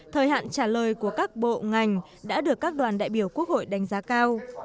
thời hạn trả lời của các bộ ngành đã được các đoàn đại biểu quốc hội đánh giá cao